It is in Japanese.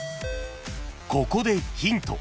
［ここでヒント］